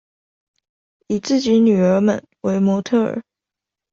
以自己女兒們為模特兒